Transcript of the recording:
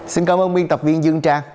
xin cảm ơn viên tập viên dương trang